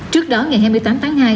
trước đó ngày hai mươi tám tháng hai